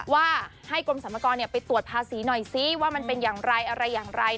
ว่าให้กรมสรรพากรไปตรวจภาษีหน่อยซิว่ามันเป็นอย่างไรอะไรอย่างไร